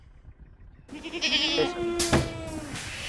É sabido.